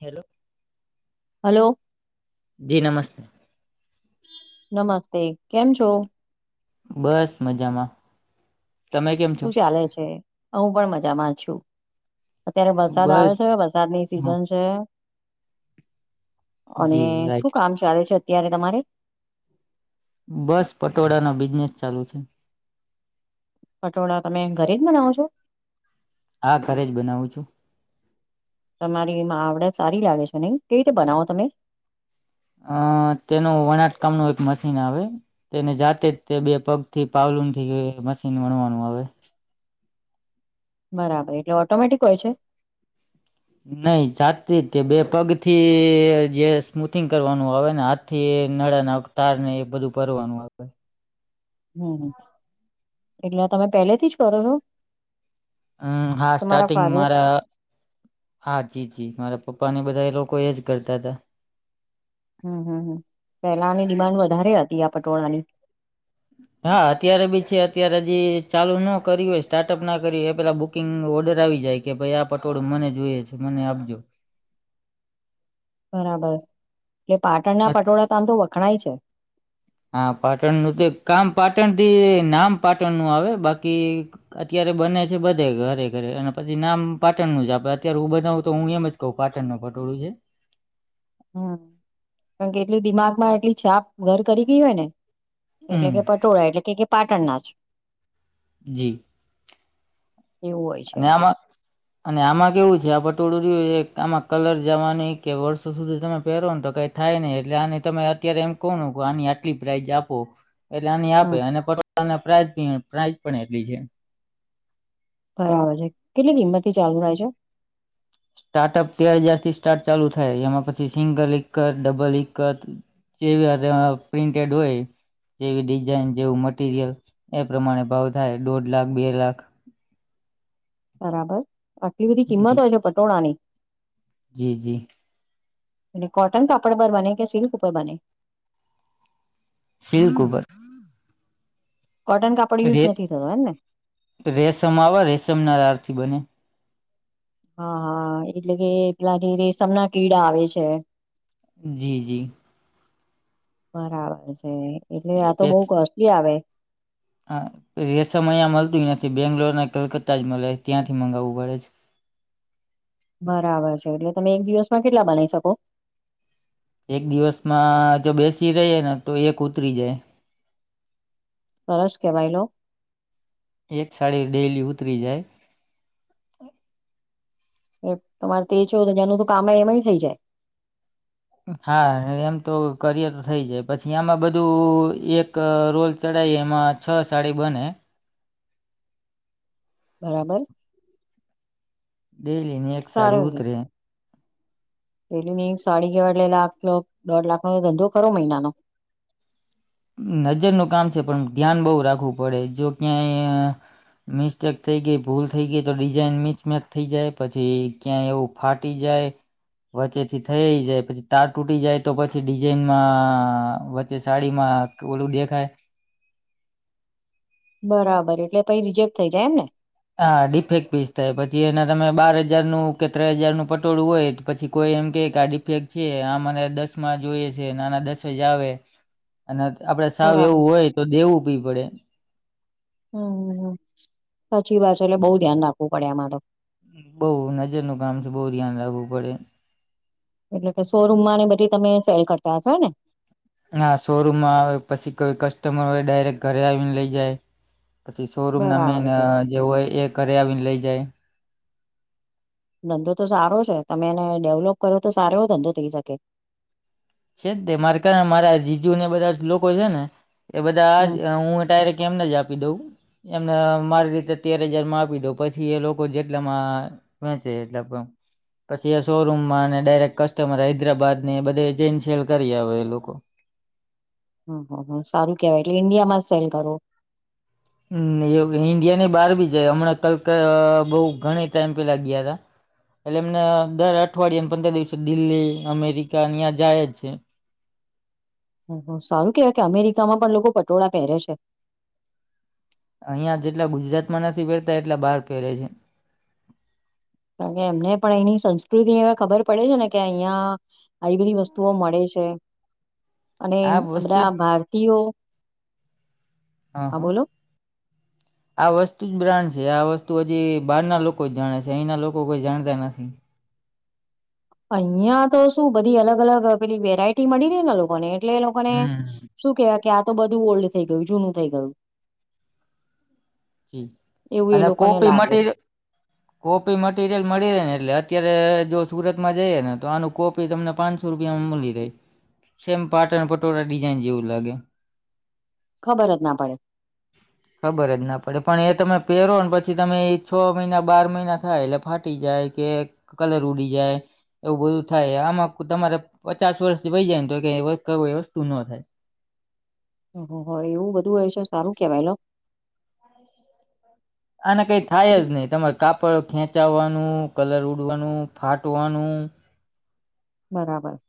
Hello. Hello. જી નમસ્તે! નમસ્તે. કેમ છો? બસ મજામાં. તમે કેમ છો શું ચાલે છે? હા હું પણ મજામાં છું. અત્યારે વરસાદ આવે બસ છે, વરસાદની હા સિઝન છે. અને જી રાઈટ શું કામ ચાલે છે અત્યારે તમારે? બસ પટોળા નો બિઝનેસ ચાલુ છે. પટોળા તમે ઘરે જ બનાવો છો? હા ઘરે જ બનાવું છું. તમારી મા આવડત સારી લાગે છે નહીં? કેવી રીતે બનાવો તમે? અહ તેનું વણાટકામ નું એક મશીન આવે. તેને જાતે જ તે બે પગ થી પાવલુન થી મશીન વણવાનું આવે. બરાબર. એટલે ઓટોમેટિક હોય છે? નહીં. સાતથી તે બે પગ થી જે સ્મૂથિંગ કરવાનું આવે, ને હાથ થી નળા ને તાર ને એ બધું ભરવાનું આવેે. હમ્મ હમ્મ એટલે આ તમે પહેલેથી જ કરો છો? હમ્મ હા તમારા સ્ટાર્ટિંગ ફાધર મારા હા જી-જી. મારા પપ્પા ને એ બધા એ લોકો એ જ કરતા તા. હમ્મ-હમ્મ-હમ્મ. પહેલાની ડિમાન્ડ વધારે હતી આ પટોળાની. હા અત્યારે બી છે. અત્યારે હજી ચાલુ નો કર્યું હોય, સ્ટાર્ટઅપ ના કર્યું હોય એ પેલા બુક કિંગ ઓર્ડર આવી જાય, કે ભઈ આ પટોળું મને જોઈએ છે, મને આપજો. બરાબર. એટલે પાટણના અત- પટોળા તો આમ તો વખણાય છે. હા પાટણનું તો એક કામ પાટણ થી નામ પાટણનું આવે, બાકી અત્યારે બને છે બધે ઘરે-ઘરે. અને પછી નામ પાટણનું જ આપે. અત્યારે હું બનાવું તો હું એમ જ કહું પાટણનું પટોળું છે. હમ્મ. કારણ કે એટલી દિમાગમાં એટલી છાપ ઘર કરી ગઈ હોય ને. એટલે હમ, કે પટ પટોળા એટલે કે-કે પાટણના જ. જી. એવું હોય છે ન આમાં અને આમાં કેવું છે આ પટોળું રીહ્યું એક આમાં કલર જાવાની કે વર્ષો સુધી તમે પેરો ને તો કાંઈક થાય ને, એટલે આની તમે અત્યારે એમ કઉ ને કે આની આટલી પ્રાઈઝ આપો. એટલે આની આપે, હમ અને પટોળા ને પ્રાઈઝની ઓય પ્રાઇઝ પણ એટલી છે. બરાબર છે, કેટલી કિંમતથી ચાલુ થાય છે? સ્ટાર્ટઅપ તે હજારથી સ્ટાર્ટ ચાલુ થાય, એમાં પછી સિંગલ એક જ, ડબલ એક જ. જેવી આ તેમાં પ્રિન્ટેડ ઓય જેવી ડિઝાઇન, જેવું મટીરિયલ એ પ્રમાણે ભાવ થાય, દોઢ લાખ, બે લાખ બરાબર, આટલી બધી જી કિંમત હોય છે પટોળાની? જી, જી, અને કોટન કાપડ પર બને કે સિલ્ક ઉપર બને? સિલ્ક ઉપર. કોટન કાપડ યુઝ રે નથી થયો એમ ને? રેશમ આવે રેશમના તારથી બને. હા, હા, એટલે કે પેલા જે રેશમના કીડા આવે છે. જી, જી, બરાબર છે, એટલે એ આ તો બઉ પેસ કોસ્ટલી આવે. હા, રેશમ અઈયા મલતું ઈ નથી, બેંગ્લોર ને કલકત્તા જ મલે ત્યાંથી મંગાવવું પડે છે. બરાબર છે, એટલે તમે એક દિવસમાં કેટલા બનાઈ શકો? એક દિવસમાં જો બેસી રઈએ ને તો એક ઉતરી જાય. સરસ કેવાય લો એક સારી ડેઈલી ઉતરી જાય. એમ તમારે તેર ચોવુદ અજારનું તો કામે એમેય થઈ જાય. હા, એમ તો કરીએ તો થઇ જાય, પછી આમાં બધું એક રોલ ચડાઈ એમાં છ સાડી બને બરાબર, ડેઈલીની એક સાડી ઉતરે. ડેઈલીની એક સાડી કેવાય એટલે લાખ લાખ દોઢ લાખનો તો ધંધો કરો મઈનાનો. નજરનું કામ છે પણ ધ્યાન બોઉ રાખવું પડે, જો ક્યાંય મિસ્ટેક થઈ ગેઈ, ભૂલ થઈ ગેઈ, તો ડિઝાઇન મિચ મેચ થઈ જાય પછી ક્યાંય ઓપ ફાટી જાય વચ્ચેથી થઈ જાય પછી, તાર તૂટી જાય તો પછી ડિઝઇનમાં, વચ્ચે સાડીમાં ઓલું દેખાય બરાબર, એટલે પહી રિજેક્ટ થઈ જાય એમ ને? હા, ડિફેક્ટ પીસ થાય પછી એના તમે બાર હજારનું કે તેર હજારનું પટોળું ઓય. પછી કોઈ એમ કેય કે આ ડીફેક્ટ છે, આ મને દસમાં જોયે છે ને આના દસ જ આવે અને ત આપડે સાવ બરાબર એવું ઓય તો દેવું ભી પળે. હુ, હુ, હુ, સાચી વાત છે એટલે બોઉ ધ્યાન રાખવું પળે એમાં તો. હ, બોઉ નજરનું કામ છે બોઉ ધ્યાન રાખવું પળે. એટલે કે શોરૂમમાં ને બધી તમે સેલ કરતા હસો હેને? ના, શોરૂમમાં આવે પછી કોઈ કસ્ટમર ઓય ડાયરેક્ટ ઘરે આવીને લેઇ જાય. પસી શોરૂમ ના મેન બરાબર અ છે જે ઓય એ ઘરે આવીને લઈ જાય. ધંધો તો સારો છે તમે એને ડેવલોપ કરો તો સારો એવો ધંધો થઇ શકે. છે જ ને મારે કા, મારા જીજુ ને બધા જ લોકો છે ને. એ બધા આજ, હમ હું ડાયરેક્ટ એમને જ આપું. આપી દઉં એમને મારી રીતે તેર હજારમાં આપી દઉં, પછી એ લોકો જેટલામાં વેંચે એટલે પછી એ શોરૂમમાં અને ડાયરેક્ટ કસ્ટમર હૈદરાબાદને જે સેલ કરી આવે એ લોકો. હમ્મ, હમ્મ. સારું કેવાય એટલે કે ઈન્ડિયામાં જ સેલ કરો. હમ્મ, એ ઈન્ડિયા ની બહાર પણ જાય હમણાં બહું ઘણી સમય પહેલા ગયા હતા. એટલે એમને દર અઠવાડિયાને પંદર દિવસે દિલ્હી, અમેરિકા અહીયાં જાય જ છે. હમ્મ, હમ્મ. સારું કેવાય કે અમેરિકામાં પણ લોકો પટોળા પહેરે છે. અહિયાં જેટલા ગુજરાતમાં નથી પહેરતા એટલા બહાર પહેરે છે. કારણ કે એમને પણ એની સંસ્કૃતિ અવે ખબર પડે છે ને કે અહિયાં આવી બધી વસ્તુઓ મળે છે. અને આ બધા ભારતીયો, હ હ હા બોલો. [inaudible] આ વસ્તુ જ બ્રાન્ડ છે આ વસ્તુ હજી બહાર ના લોકો જ જાણે છે. અહીંના લોકો કોઈ જાણતા નથી. અહિયાં તો શું બધી અલગ અલગ પેલી વેરાયટી મળી રહે ને લોકોને એટલે એ લોકોને હમ. શું કહેવાય કે આ તો બધું ઓલ્ડ થઈ ગયું, જૂનું થઈ ગયું. જી એવું એ અને લોકોને કોપી લાગે. મટીરિયલ કોપી મટીરિયલ મળી રહે ને એટલે અત્યારે જો સુરતમાં જઈએ ને તો આનું કોપી તમને પાંચ પાંનસો રૂપિયામાં મલી રહે, સેમ પાટણ પટોળા ડિઝાઈન જેવું લાગે. ખબર જ ના પડે. ખબર જ ના પડે. પડે પણ એ તમે પહેરો ને પછી તમે એ છ મહિના બાર મહિના થાય એટલે ફાટી જાય કે કલર ઉડી જાય. એવું બધું થાય આમાં તમારે પચાસ વર્ષથી થઈ જાય ને તો એ કઈ વસ્તુ ન થાય. હો, એવું બધું હોય છે સારું કહેવાય હા. [inaudible] આને કઈ થાય જ નહી તમારે કાપડ ખેંચાવાનું, કલર ઉડવાનું, ફાટવાનું બરાબર.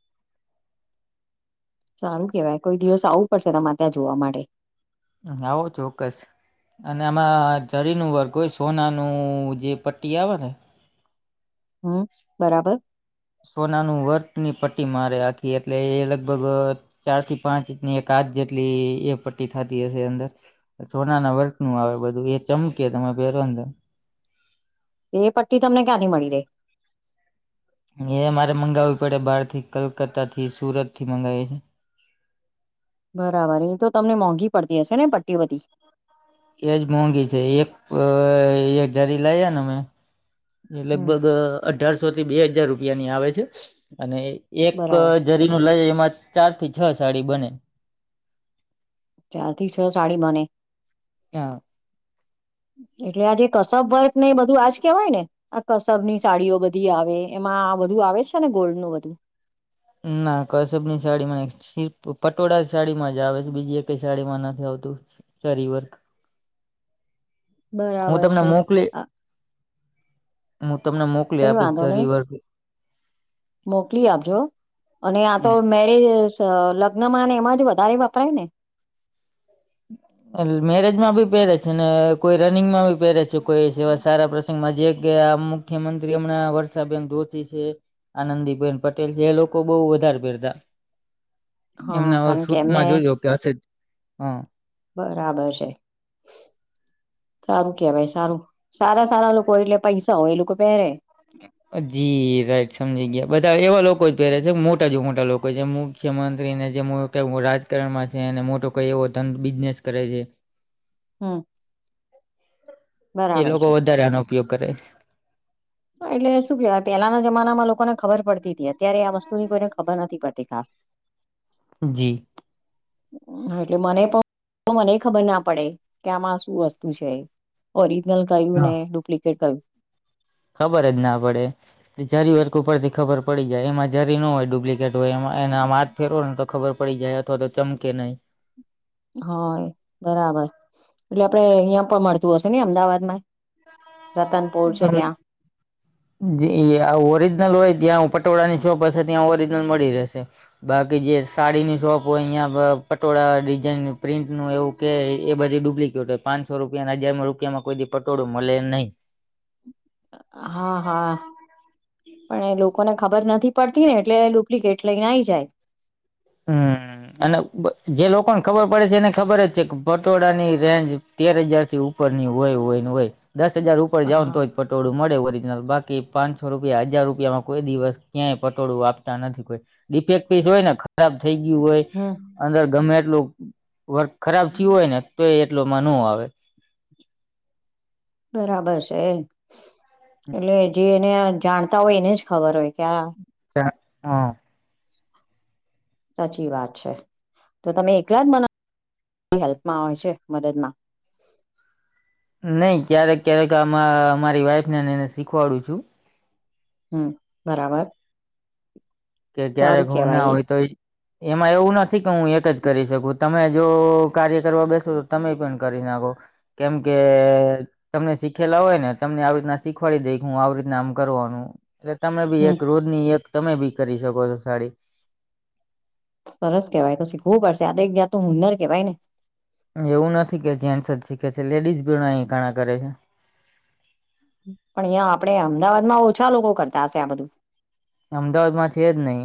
સારું કહેવાય, કોઈ દિવસ આવવું પડશે તમારે ત્યાં જોવા માટે. આવો ચોક્કસ. અને આમાં જરીનું વર્ગ હોય, સોનાનું જે પટ્ટી આવે ને હમ, બરાબર. સોના નું વર્કની પટ્ટી મારે આખી એટલે એ લગભગ ચાર થી પાંચ ઇંચની એક હાથ જેટલી એ પટ્ટી થાતી હશે અંદર સોનાના વર્ક નું આવે બધું એ ચમકે તમેં પહેરો ને તો એ પટ્ટી તમને ક્યાંથી મળી રહે. એ મારે મંગાવવી પડે બહાર થી કલકતા થી સુરત થી મંગાવીએ છે. બરાબર એમ તો તમને મોંઘી પડતી હશે ને પટ્ટી બધી. એજ મોંઘી છે. એક, એક જરી લઈને અમે એ હમ લગભગ અઢારસો થી બે હજાર રૂપિયા ની આવે છે અને એક બરાબર જરીનું લઈ એમાં ચાર થી છ સાડી બને. ચાર થી છ સાડી બને. હા. એટલે આજે કસબ વર્ગ ને એ બધું આજ કેવાય ને. આ કસબની સાડીઓ બધી આવે એમાં આ બધું આવે છે ને ગોલ્ડ નું બધું. ના કસબ ની સાડી નહીં સિ પટોળા સાડીમાં જ આવે છે બીજી એકય કઈ સાડી માં નથી આવતું સરી વર્ક. હું બરાબર તમને છે મોકલી, હું તમને મોકલી કઈ આપીશ વાંધો નહી જરી વર્ક. મોકલી આપજો અને આ તો મેરેજ લગ્નમાં એમાં જ વધારે વપરાય ને. એટલે મેરેજ માં બી પહેરે છે ને કોઈ રનિંગ માં ભી પહેરે છે કોઈ એવા સારા પ્ર મા જે કે આ મુખ્યમંત્રી હમણાં વર્ષાબેન દોસી છે. આનંદીબેન પટેલ છે એ લોકો બહુ વધારે પેરતા. હા એમને હ કારણ કે એમને શૂટમાં જો જો કે હશે જ, હા. બરાબર છે. સારું કેવાય, સારું સારા સારા લોકો એટલે પૈસા હોય એ લોકો પહેરે. [inaudible] જી રાઈટ સમજી ગયા બધા એવા લોકો જ પહેરે છે મોટા જો મોટા લોકો જે મુખ્યમંત્રી ને જેમ કે રાજકારણમાં છે અને મોટો કંઈ એવો ધંધ બિઝનેસ કરે છે. હમ્મ. એ લોકો વધારે આનો ઉપયોગ કરે છે. એટલે શું કેવાય પેલાના જમાનામાં લોકોને ખબર પડતી તી તી એમ. ત્યારે આ વસ્તુની કોઈને ખબર નથી પડતી ખાસ. જી. [inaudible] હા એટલે મને પણ મને એ ખબર ના પડે કે આમાં શું વસ્તુ છે એ. ઓરિજનલ ક્યું ને હા ડુપ્લિકેટ ક્યું? ખબર જ ના પડે જરી વર્ક ઉપરથી ખબર પડી જાય એમાં જરી ન હોય ડુપ્લિક કેટ હોય એમાં એના માં હાથ ફેરવો ને તો ખબર પડી જાય અથવા તો ચમકે નહીં. હય બરાબર, એટલે આપડે અહિયાં પણ મળતું હશે ને અમદાવાદ માં? [unintelligible] જી આ ઓરિજનલ હોય જ્યાં પટોળાની શોપ હશે ત્યાં ઓરિજનલ મળી રહેશે. બાકી જે સાડીની શોપ હોય અહિયાં પટોળા ડિઝાઇન નું પ્રિન્ટનું એવું કે એ બધી ડુપ્લિકેટ હોય પાંચસો રૂપિયા ને હજારમાં રૂપિયામાં કોઈ દી પટોળું મળે નઈ. હા હા. પણ એ લોકોને ખબર નથી પડતી ને એટલે ડુપ્લિકેટ લઈ ને આઈ જાય. હમ્મ અને બ જે લોકોનું ખબર પડે છે એને ખબર જ છે કે પટોળા ની રેન્જ તેર હજાર થી ઉપર ની હોય હોય ને હોય. દસ હજાર ઉપર જાઓને તો હા યે પટોળું મળે ઓરિજિનલ બાકી પાંચસો રૂપિયા હજાર રૂપિયામાં કોઈ દિવસ ક્યાંય પટોળું આપતા નથી કોઈ. ડિફેકટ પીસ હોય ને ખ ખરાબ થઈ ગયું હોય હમ અંદર ગમે એટલું વર્ક ખરાબ થયું હોય ને તો એ એટલો મા નો આવે. બરાબર છે એમ. એટલે જે એને આ જાણતા હોય એને જ ખબર હોય કે આ ચા, હ. સાચી વાત છે, તો તમે એકલા જ બના હેલ્પમાં હોય છે મદદ માં? નઈ ક્યારેક ક્યારેક આમાં મારી વાઈફને એને શીખવાડું છું. હમ્મ, બરાબર. કે જ્યારેક સારું હું ના કેવાય હોય તો ઈ એમાં એવું નથી કે હું એક જ કરી શકું તમે જો કાર્ય કરવા બેસો તો તમે પણ કરી નાખો. કેમ કે તમે શીખેલા હોય ને તમને આવી રીતના શીખવાડી દેઈ કે હું આવી રીતના આમ કરવાનું એટલે તમે બી હમ એક રોજની એક તમે બી કરી શકો છો સાડી સરસ કેહવાય તો શીખવું પડશે આ તો એક જાતું હુનર કેહેવાય ને એવું નથી કે જેન્ટસ જ શીખે છે લેડીઝ ભી અહી ઘણા કરે છે. પણ અહિયા આપડે અમદાવાદ માં ઓછા લોકો કરતા હશે આ બધું. અમદાવાદ માં છે જ નહી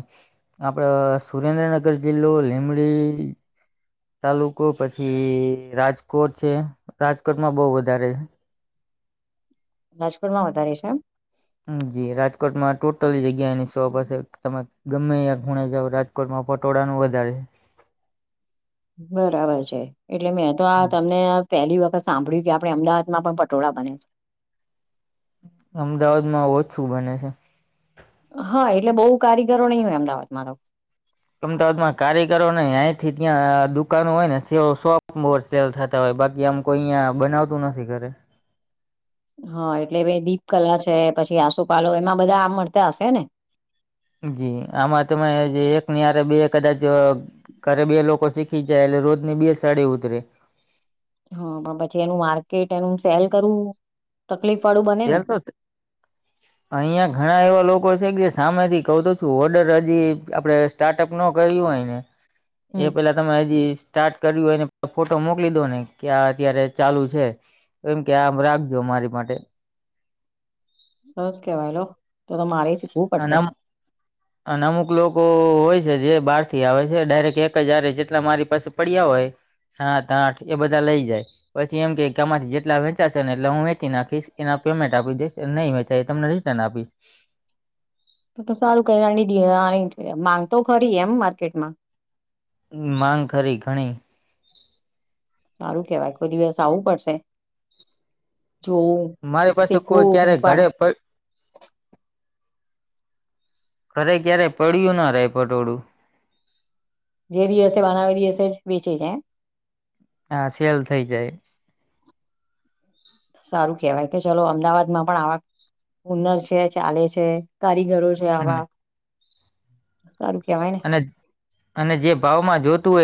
આપડ સુરેન્દ્રનગર જિલ્લો લીમડી તાલુકો પછી રાજકોટ છે રાજકોટમાં બઉ વધારે રાજકોટ માં વધારે છે એમ? હમ્મ જી રાજકોટમાં ટોટલી જગ્યા એની શોપ હશે તમે ગમે યા ખૂણે જાઓ રાજ કોટમાં પટોળાનું વધારે છે. બરાબર છે એટલે મેં તો છે. આ તમને આ પહેલી વખત સાંભળ્યું કે આપણે અમદાવાદ માં પણ પટોળા બને છે. અમદાવાદ માં ઓછું બને છે. હા એટલે બહુ કારીગરો નહી હોય અમદાવાદમાં તો અમદાવાદમાં કારીગરો ને આઈ થી ત્યાં દુકાનો હોય ને સ શોપ મોર સેલ થ [unintelligible] બાકી આમ કોઈ અહીંયા બનાવતું નથી ઘરે હા એટલે પે દીપકલા છે પછી આસોપાલો એમાં બધા આમ મળતા હશે ને? જી આમાં તમે એક ની હારે બે કદાચ ઘરે બી એ લોકો શીખી જાય એટલે રોજની બે સાડી ઉતરે. હા પણ પછી એનું માર્કેટ એનું સેલ કરવું તકલીફ વાળું બને ને સેલ તો અહિયાં ઘણા એવા લોકો છે કે સામેથી કહું તો છું ઓર્ડર હજી આપડે સ્ટાર્ટઅપ નો કર્યું હોય ને એ હમ પેલા તમે હજી સ્ટાર્ટ કર્યું ને ફોટો મોકલી દો ને કે આ અત્યારે ચાલુ છે. એમ કે આ રાખજો મારી માટે સરસ કેવાય લો તો તો મારે શીખવું અને પડશે. અમ અને અમુક લોકો હોય છે જે બહાર થી આવે છે ડાયરેક્ટ એક હજારે જેટલા મારી પાસે પડ્યા હોય. સાત આઠ એ બધા લઇ જાય. પછી એમ કેય આમાંથી જેટલા વેચાશે ને એટલા હું વેચી નાખીશ એના પેમેન્ટ આપી દઈશ નહી વેંચાય એ તમને રી રીટર્ન આપીશ. તો તો સારું કેવાય માંગતો ખરી એમ માર્કેટમાં માંગ ખરી ઘણી સારું કેવાય કોઈ દિવસ આવવું પડશે. જોવું મારી પાસે કોઈ શીખવું હું ક્યારે પણ ઘરે પ ઘરે ક્યારે પડ્યું ના રહેે પટોળું જે દિવસે બનાવે એ દિવસે વેચાઈ જાય એમ. હા, સેલ થઇ જાય. સારું કેહેવાય કે ચલો અમદાવાદ માં પણ આવા હુનર છે, ચાલે છે, કારીગરો છે આવા સારુ કેહવાય ને. અને જે ભાવમાં જોતું હોય.